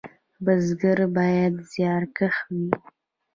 بزګر باید زیارکښ وي